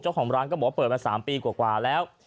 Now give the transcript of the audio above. เจ้าของร้านก็บอกว่าเปิดมา๓ปีกว่าแล้ว